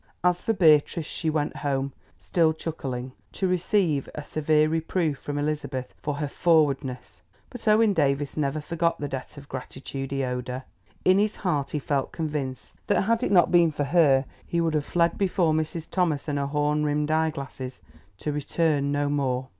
As for Beatrice, she went home, still chuckling, to receive a severe reproof from Elizabeth for her "forwardness." But Owen Davies never forgot the debt of gratitude he owed her. In his heart he felt convinced that had it not been for her, he would have fled before Mrs. Thomas and her horn rimmed eyeglasses, to return no more.